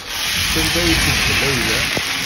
Sanda ay tedda Layla?